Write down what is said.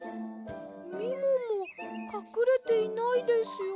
みももかくれていないですよ？